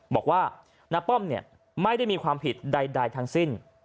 บอกว่านักป้อมเนี่ยไม่ได้มีความผิดใดทางสิ้น